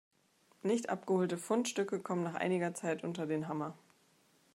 Nicht abgeholte Fundstücke kommen nach einiger Zeit unter den Hammer.